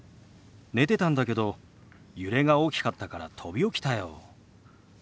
寝てたんだけど揺れが大きかったから飛び起きたよ。